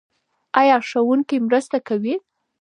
ایا ښوونکی مرسته کوي؟